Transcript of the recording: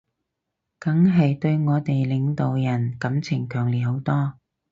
梗係對我哋領導人感情強烈好多